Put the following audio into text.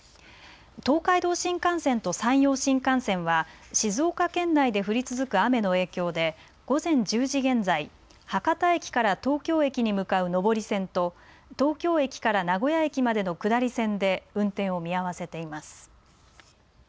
東海道新幹線と山陽新幹線は静岡県内で降り続く雨の影響で午前１０時現在、博多駅から東京駅に向かう上り線と東京駅から名古屋駅までの下り線で運転を見合わせています。